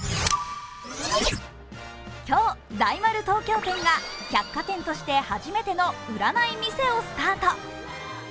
今日、大丸東京店が百貨店として初めての売らない店をスタート。